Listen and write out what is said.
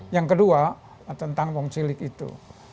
yang kedua tentang wong cilik itu